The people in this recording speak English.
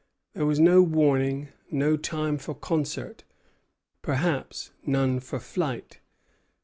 There was no warning; no time for concert, perhaps none for flight.